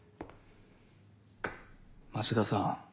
町田さん